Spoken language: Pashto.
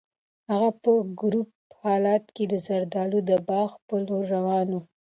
هغه په کړوپ حالت کې د زردالو د باغ په لور روان و.